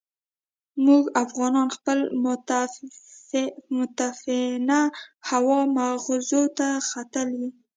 موږ افغانان خپل متعفنه هوا مغزو ته ختلې.